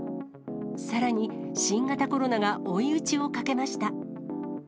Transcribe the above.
さらに、新型コロナが追い打ちをかけました。